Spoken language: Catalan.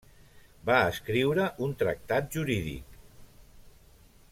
Va escriure un tractat jurídic.